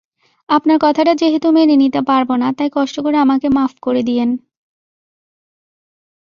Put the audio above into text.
আপনার কথাটা যেহেতু মেনে নিতে পারবোনা তাই কষ্ট করে আমাকে মাফ করে দিয়েন।